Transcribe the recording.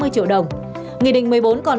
hai mươi triệu đồng nghị định một mươi bốn còn